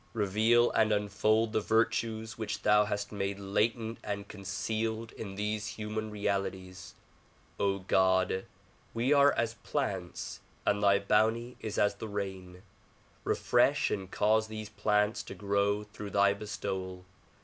Reveal and unfold the virtues which thon hast made 88 THE PROMULGATION OF UNIVERSAL PEACE latent and concealed in these human realities. God ! We are as plants and thy bounty is as the rain. Refresh and cause these plants to grow through thy bestowal.